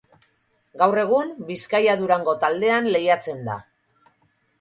Gaur egun Bizkaia-Durango taldean lehiatzen da.